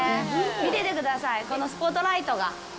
見ててくださいこのスポットライトが。